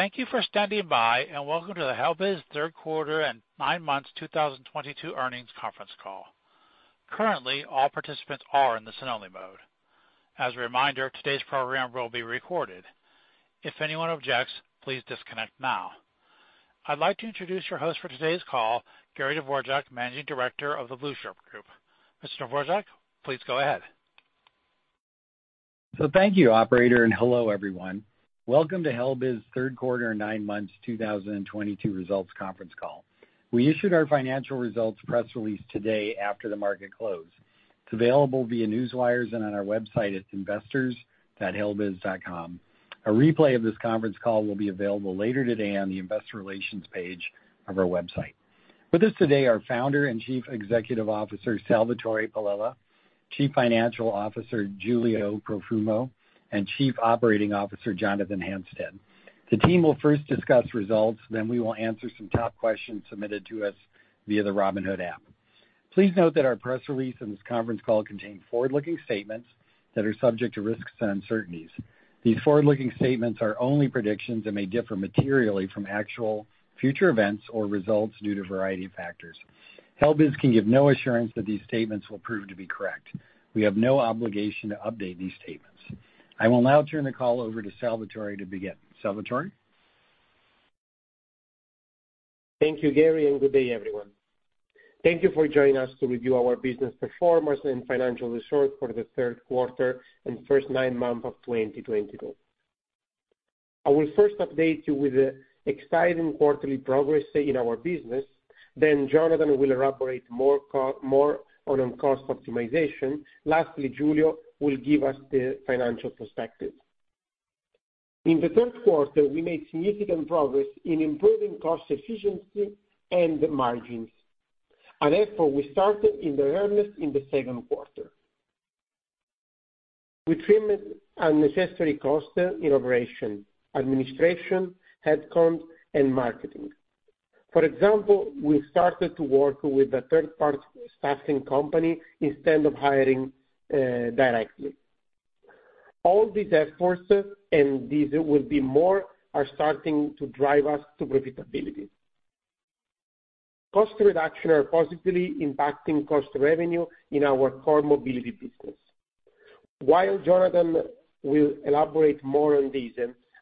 Thank you for standing by, and welcome to the Helbiz third quarter and nine months 2022 earnings conference call. Currently, all participants are in listen only mode. As a reminder, today's program will be recorded. If anyone objects, please disconnect now. I'd like to introduce your host for today's call, Gary Dvorchak, Managing Director of The Blueshirt Group. Mr. Dvorchak, please go ahead. Thank you, operator, and hello everyone. Welcome to Helbiz third quarter nine months 2022 results conference call. We issued our financial results press release today after the market closed. It's available via newswires and on our website at investors.helbiz.com. A replay of this conference call will be available later today on the investor relations page of our website. With us today are Founder and Chief Executive Officer, Salvatore Palella, Chief Financial Officer, Giulio Profumo, and Chief Operating Officer, Jonathan Hannestad. The team will first discuss results, then we will answer some top questions submitted to us via the Robinhood app. Please note that our press release and this conference call contain forward-looking statements that are subject to risks and uncertainties. These forward-looking statements are only predictions and may differ materially from actual future events or results due to a variety of factors. Helbiz can give no assurance that these statements will prove to be correct. We have no obligation to update these statements. I will now turn the call over to Salvatore to begin. Salvatore. Thank you, Gary, and good day, everyone. Thank you for joining us to review our business performance and financial results for the third quarter and first nine months of 2022. I will first update you with the exciting quarterly progress in our business. Then Jonathan will elaborate more on cost optimization. Lastly, Giulio will give us the financial perspective. In the third quarter, we made significant progress in improving cost efficiency and margins. Therefore, we started as early as in the second quarter. We trimmed unnecessary costs in operation, administration, headcount, and marketing. For example, we started to work with a third-party staffing company instead of hiring directly. All these efforts are starting to drive us to profitability. Cost reductions are positively impacting cost of revenue in our core mobility business. While Jonathan will elaborate more on this,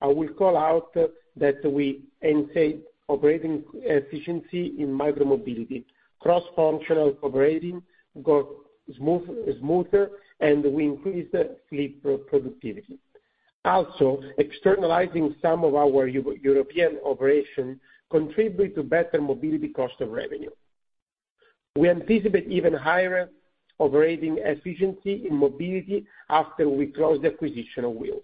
I will call out that we enhance operating efficiency in micro-mobility, cross-functional operations got smoother, and we increased fleet productivity. Externalizing some of our European operations contributes to better mobility cost of revenue. We anticipate even higher operating efficiency in mobility after we close the acquisition of Wheels.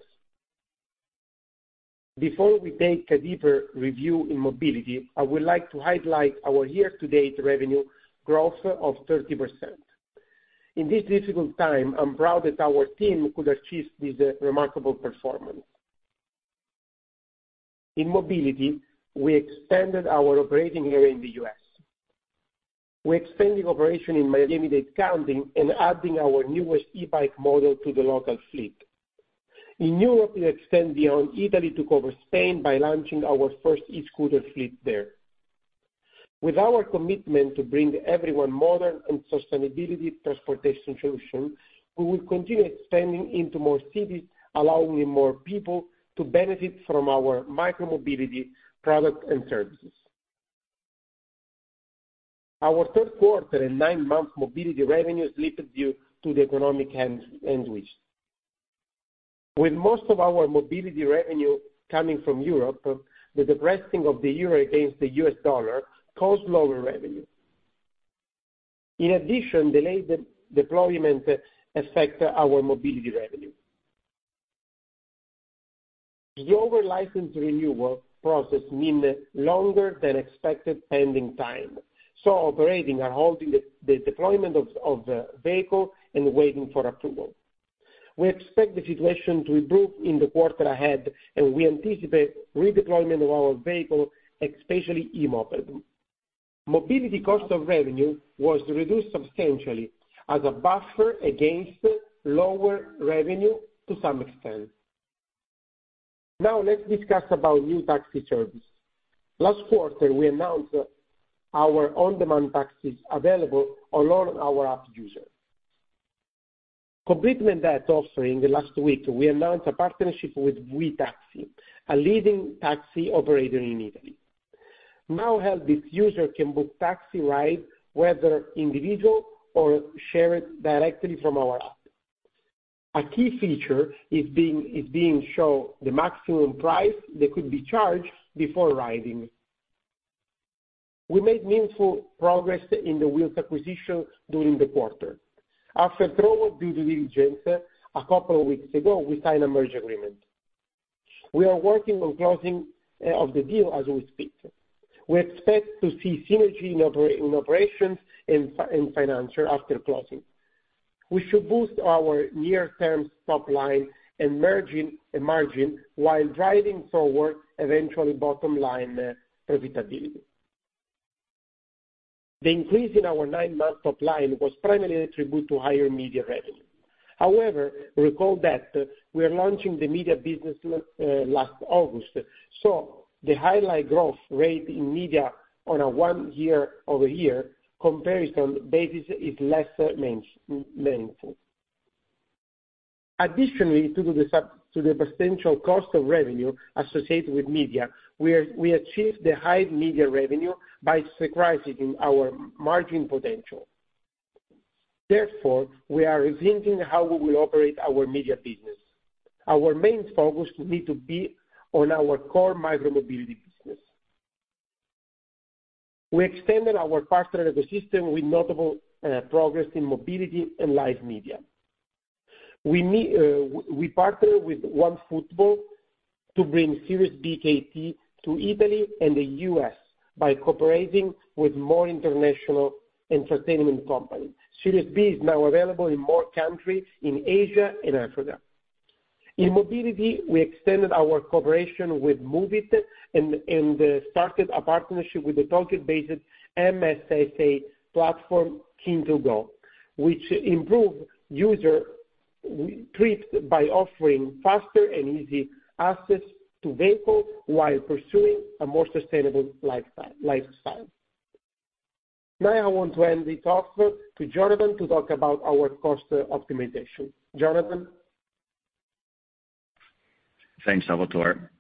Before we take a deeper review in mobility, I would like to highlight our year-to-date revenue growth of 30%. In this difficult time, I'm proud that our team could achieve this remarkable performance. In mobility, we expanded our operating area in the U.S., We expanded operations in Miami-Dade County and adding our newest e-bike model to the local fleet. In Europe, we extended beyond Italy to cover Spain by launching our first e-scooter fleet there. With our commitment to bring everyone modern and sustainable transportation solution, we will continue expanding into more cities, allowing more people to benefit from our micro-mobility products and services. Our third quarter and nine-month mobility revenues slipped due to the economic headwinds. With most of our mobility revenue coming from Europe, the depreciation of the Euro against the US dollar caused lower revenue. In addition, delayed deployment affected our mobility revenue. The operator license renewal process means longer than expected pending time, so operators are holding the deployment of the vehicle and waiting for approval. We expect the situation to improve in the quarter ahead, and we anticipate redeployment of our vehicle, especially e-mobility. Mobility cost of revenue was reduced substantially as a buffer against lower revenue to some extent. Now let's discuss about new taxi service. Last quarter, we announced our on-demand taxis available to our app users. Completing that offering, last week, we announced a partnership with Wetaxi, a leading taxi operator in Italy. Now, Helbiz users can book taxi ride, whether individual or shared directly from our app. A key feature is being shown the maximum price that could be charged before riding. We made meaningful progress in the Wheels acquisition during the quarter. After thorough due diligence, a couple of weeks ago, we signed a merger agreement. We are working on closing of the deal as we speak. We expect to see synergy in operations and financial after closing. We should boost our near-term top line and margin while driving forward eventual bottom line profitability. The increase in our nine-month top line was primarily attributed to higher media revenue. However, recall that we are launching the media business last August. The highest growth rate in media on a year-over-year comparison basis is less meaningful. Additionally, due to the potential cost of revenue associated with media, we achieved the high media revenue by sacrificing our margin potential. Therefore, we are rethinking how we will operate our media business. Our main focus will need to be on our core micro-mobility business. We extended our partner ecosystem with notable progress in mobility and live media. We partner with OneFootball to bring Serie BKT to Italy and the U.S., by cooperating with more international entertainment company. Serie B is now available in more countries in Asia and Africa. In mobility, we extended our cooperation with Moovit and started a partnership with the token-based MaaS platform, Kinto Go, which improve user trips by offering faster and easy access to vehicle while pursuing a more sustainable lifestyle. Now I want to hand the talk to Jonathan to talk about our cost optimization. Jonathan? Thanks, Salvatore.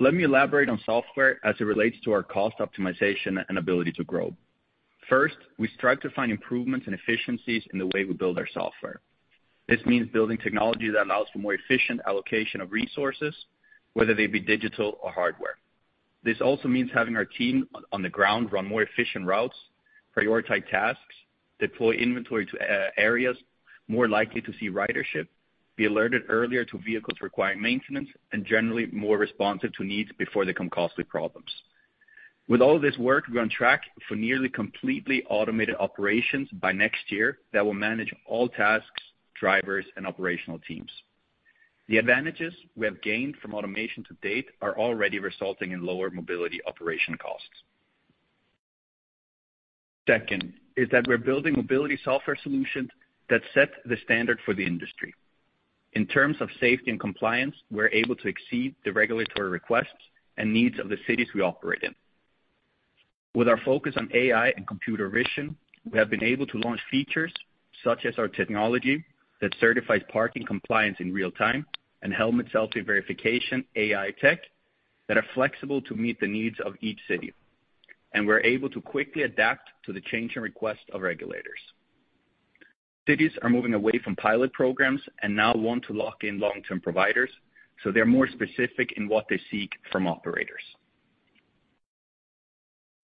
Let me elaborate on software as it relates to our cost optimization and ability to grow. First, we strive to find improvements and efficiencies in the way we build our software. This means building technology that allows for more efficient allocation of resources, whether they be digital or hardware. This also means having our team on the ground run more efficient routes, prioritize tasks, deploy inventory to areas more likely to see ridership, be alerted earlier to vehicles requiring maintenance, and generally more responsive to needs before they become costly problems. With all this work, we're on track for nearly completely automated operations by next year that will manage all tasks, drivers, and operational teams. The advantages we have gained from automation to date are already resulting in lower mobility operation costs. Second is that we're building mobility software solutions that set the standard for the industry. In terms of safety and compliance, we're able to exceed the regulatory requests and needs of the cities we operate in. With our focus on AI and computer vision, we have been able to launch features such as our technology that certifies parking compliance in real-time and helmet selfie verification AI tech that are flexible to meet the needs of each city, and we're able to quickly adapt to the change and request of regulators. Cities are moving away from pilot programs and now want to lock in long-term providers, so they're more specific in what they seek from operators.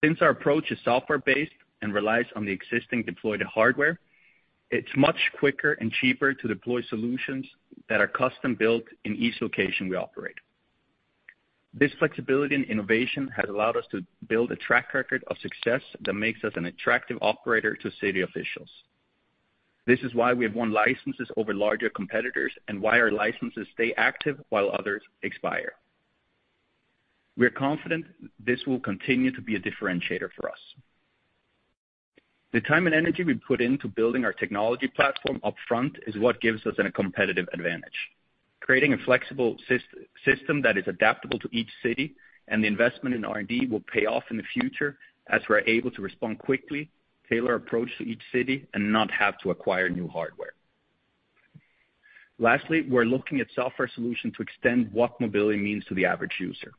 Since our approach is software-based and relies on the existing deployed hardware, it's much quicker and cheaper to deploy solutions that are custom-built in each location we operate. This flexibility and innovation has allowed us to build a track record of success that makes us an attractive operator to city officials. This is why we have won licenses over larger competitors and why our licenses stay active while others expire. We're confident this will continue to be a differentiator for us. The time and energy we put into building our technology platform upfront is what gives us an competitive advantage. Creating a flexible system that is adaptable to each city, and the investment in R&D will pay off in the future as we're able to respond quickly, tailor approach to each city, and not have to acquire new hardware. Lastly, we're looking at software solution to extend what mobility means to the average user.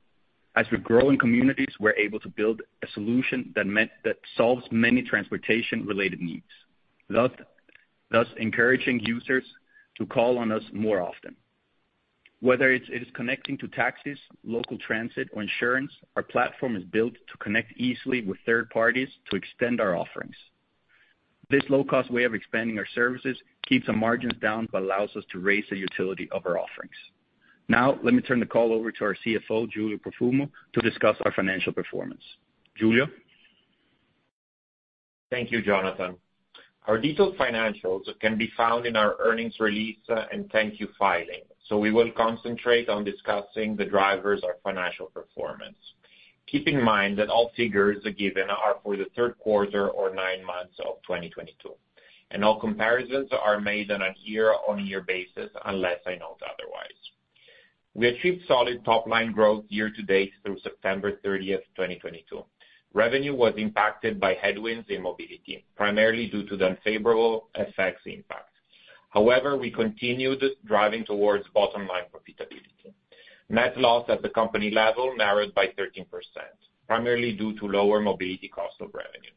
As we grow in communities, we're able to build a solution that solves many transportation-related needs, thus encouraging users to call on us more often. Whether it's connecting to taxis, local transit, or insurance, our platform is built to connect easily with third parties to extend our offerings. This low-cost way of expanding our services keeps the margins down, but allows us to raise the utility of our offerings. Now let me turn the call over to our Chief Financial Officer, Giulio Profumo, to discuss our financial performance. Giulio? Thank you, Jonathan. Our detailed financials can be found in our earnings release and 10-Q filing, so we will concentrate on discussing the drivers of financial performance. Keep in mind that all figures given are for the third quarter or nine months of 2022, and all comparisons are made on a year-on-year basis, unless I note otherwise. We achieved solid top line growth year-to-date through September 30, 2022. Revenue was impacted by headwinds in mobility, primarily due to the unfavorable FX impact. However, we continued driving towards bottom line profitability. Net loss at the company level narrowed by 13%, primarily due to lower mobility cost of revenue.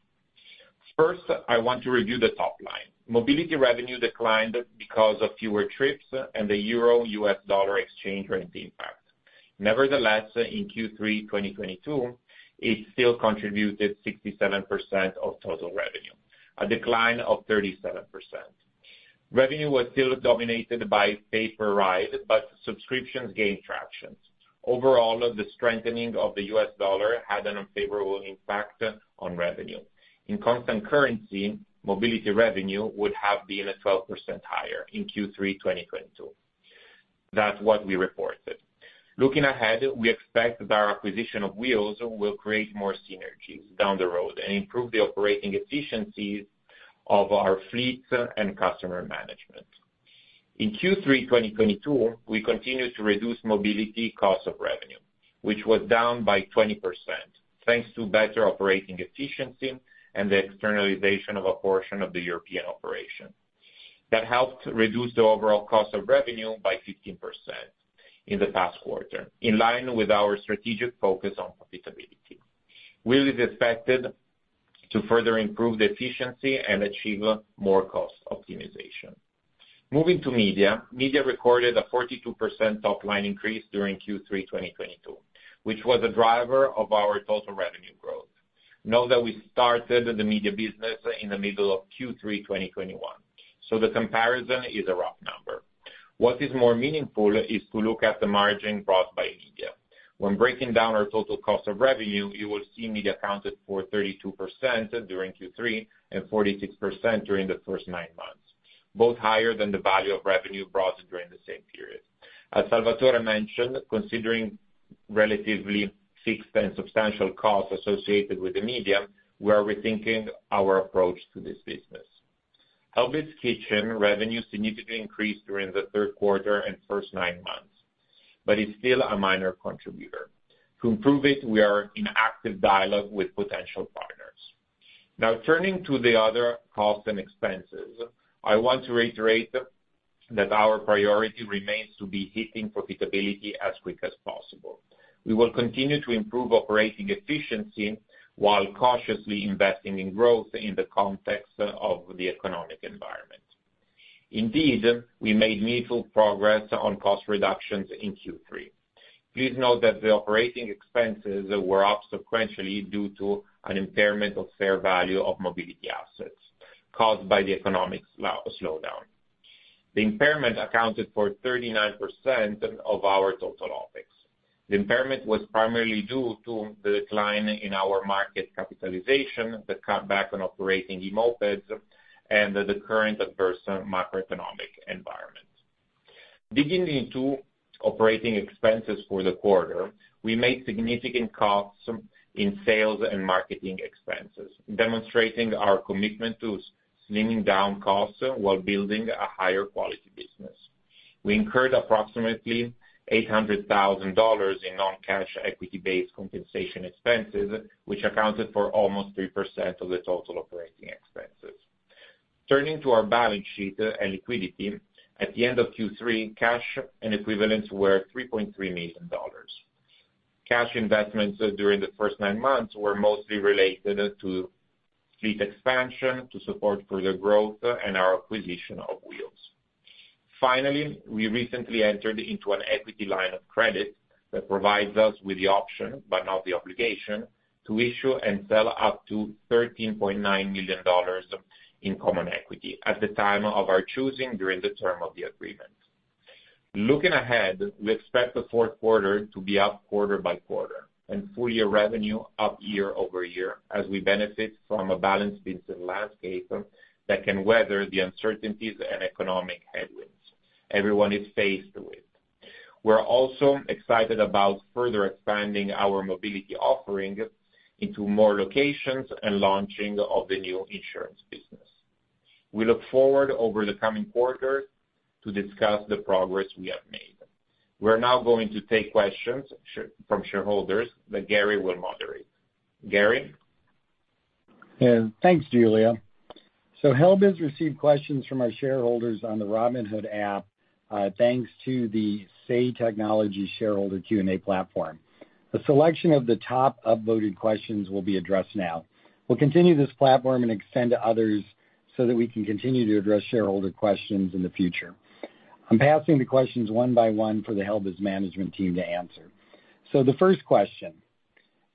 First, I want to review the top line. Mobility revenue declined because of fewer trips and the Euro/US dollar exchange rate impact. Nevertheless, in Q3 2022, it still contributed 67% of total revenue, a decline of 37%. Revenue was still dominated by pay-per-ride, but subscriptions gained traction. Overall, the strengthening of the US dollar had an unfavorable impact on revenue. In constant currency, mobility revenue would have been 12% higher in Q3 2022. That's what we reported. Looking ahead, we expect that our acquisition of Wheels will create more synergies down the road and improve the operating efficiencies of our fleet and customer management. In Q3 2022, we continued to reduce mobility cost of revenue, which was down by 20% thanks to better operating efficiency and the externalization of a portion of the European operation. That helped reduce the overall cost of revenue by 15% in the past quarter, in line with our strategic focus on profitability. Wheels is expected to further improve the efficiency and achieve more cost optimization. Moving to media. Media recorded a 42% top line increase during Q3 2022, which was a driver of our total revenue growth. Note that we started the media business in the middle of Q3 2021, so the comparison is a rough number. What is more meaningful is to look at the margin brought by media. When breaking down our total cost of revenue, you will see media accounted for 32% during Q3 and 46% during the first nine months, both higher than the value of revenue brought during the same period. As Salvatore mentioned, considering relatively fixed and substantial costs associated with the media, we are rethinking our approach to this business. Helbiz Kitchen revenue significantly increased during the third quarter and first nine months, but it's still a minor contributor. To improve it, we are in active dialogue with potential partners. Now turning to the other costs and expenses. I want to reiterate that our priority remains to be hitting profitability as quick as possible. We will continue to improve operating efficiency while cautiously investing in growth in the context of the economic environment. Indeed, we made meaningful progress on cost reductions in Q3. Please note that the operating expenses were up sequentially due to an impairment of fair value of mobility assets caused by the economic slowdown. The impairment accounted for 39% of our total OpEx. The impairment was primarily due to the decline in our market capitalization, the cutback on operating e-mopeds, and the current adverse macroeconomic environment. Digging into operating expenses for the quarter, we made significant cuts in sales and marketing expenses, demonstrating our commitment to slimming down costs while building a higher quality business. We incurred approximately $800,000 in non-cash equity-based compensation expenses, which accounted for almost 3% of the total operating expenses. Turning to our balance sheet and liquidity, at the end of Q3, cash and equivalents were $3.3 million. Cash investments during the first nine months were mostly related to fleet expansion to support further growth and our acquisition of Wheels. Finally, we recently entered into an equity line of credit that provides us with the option, but not the obligation, to issue and sell up to $13.9 million in common equity at the time of our choosing during the term of the agreement. Looking ahead, we expect the fourth quarter to be up quarter-over-quarter and full year revenue up year-over-year as we benefit from a balanced business landscape that can weather the uncertainties and economic headwinds everyone is faced with. We're also excited about further expanding our mobility offering into more locations and launching of the new insurance business. We look forward over the coming quarters to discuss the progress we have made. We're now going to take questions from shareholders that Gary will moderate. Gary? Thanks, Giulio. Helbiz received questions from our shareholders on the Robinhood app, thanks to the Say Technologies shareholder Q&A platform. A selection of the top upvoted questions will be addressed now. We'll continue this platform and extend to others so that we can continue to address shareholder questions in the future. I'm passing the questions one by one for the Helbiz management team to answer. The first question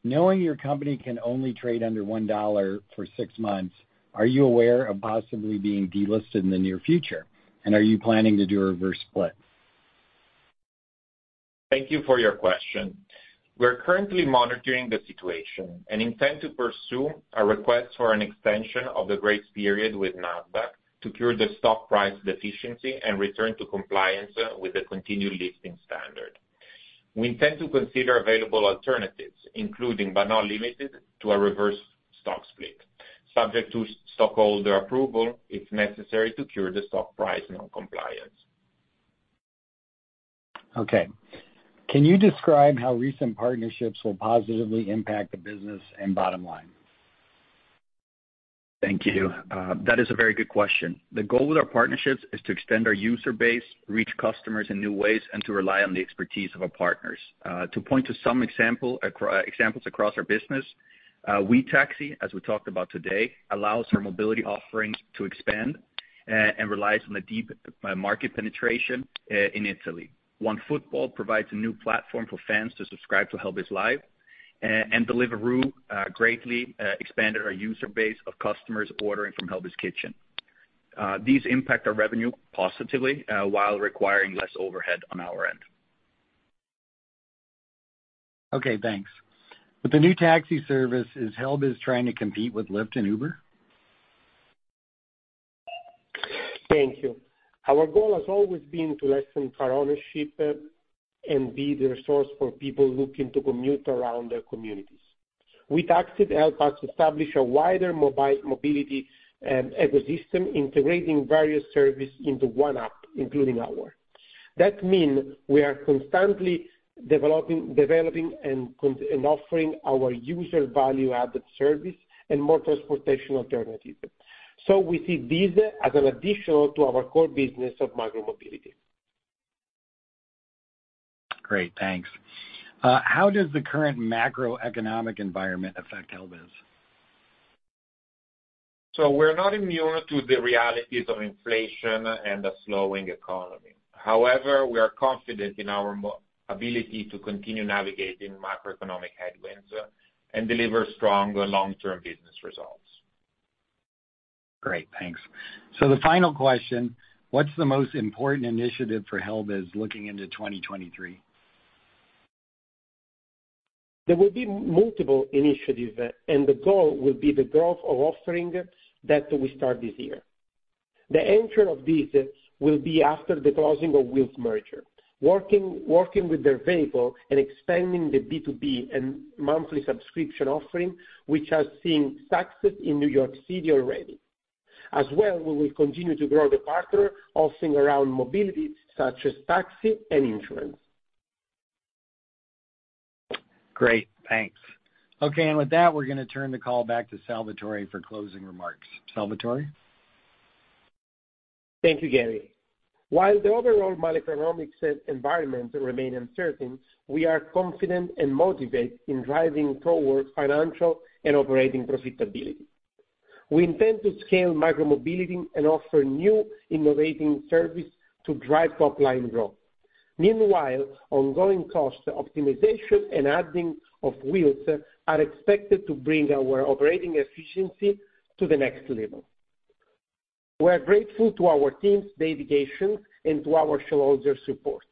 Knowing your company can only trade under $1 for six months, are you aware of possibly being delisted in the near future, and are you planning to do a reverse split? Thank you for your question. We're currently monitoring the situation and intend to pursue a request for an extension of the grace period with NASDAQ to cure the stock price deficiency and return to compliance with the continuing listing standard. We intend to consider available alternatives, including but not limited to a reverse stock split subject to stockholder approval if necessary to cure the stock price non-compliance. Okay. Can you describe how recent partnerships will positively impact the business and bottom line? Thank you. That is a very good question. The goal with our partnerships is to extend our user base, reach customers in new ways, and to rely on the expertise of our partners. To point to some examples across our business, Wetaxi, as we talked about today, allows our mobility offerings to expand, and relies on the deep market penetration in Italy. OneFootball provides a new platform for fans to subscribe to Helbiz Live. And Deliveroo greatly expanded our user base of customers ordering from Helbiz Kitchen. These impact our revenue positively while requiring less overhead on our end. Okay, thanks. With the new taxi service, is Helbiz trying to compete with Lyft and Uber? Thank you. Our goal has always been to lessen car ownership and be the resource for people looking to commute around their communities. With Wetaxi to help us establish a wider mobility ecosystem, integrating various services into one app. That means we are constantly developing and offering our users value-added services and more transportation alternatives. We see this as an addition to our core business of micromobility. Great, thanks. How does the current macroeconomic environment affect Helbiz? We're not immune to the realities of inflation and a slowing economy. However, we are confident in our ability to continue navigating macroeconomic headwinds, and deliver strong long-term business results. Great, thanks. The final question, what's the most important initiative for Helbiz looking into 2023? There will be multiple initiatives, and the goal will be the growth of offering that we start this year. The entry of this will be after the closing of Wheels merger, working with their vehicle and expanding the B2B and monthly subscription offering which has seen success in New York City already. As well, we will continue to grow the partner offering around mobility such as taxi and insurance. Great, thanks. Okay. With that, we're gonna turn the call back to Salvatore for closing remarks. Salvatore? Thank you, Gary. While the overall macroeconomic environment remains uncertain, we are confident and motivated in driving towards financial and operating profitability. We intend to scale micromobility and offer new innovative service to drive top line growth. Meanwhile, ongoing cost optimization and adding of Wheels are expected to bring our operating efficiency to the next level. We're grateful to our team's dedication and to our shareholders support.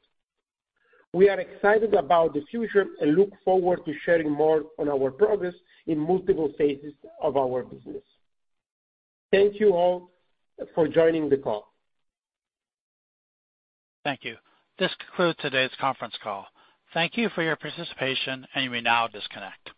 We are excited about the future and look forward to sharing more on our progress in multiple phases of our business. Thank you all for joining the call. Thank you. This concludes today's conference call. Thank you for your participation, and you may now disconnect.